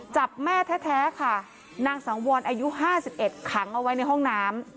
แม่แท้ค่ะนางสังวรอายุ๕๑ขังเอาไว้ในห้องน้ำ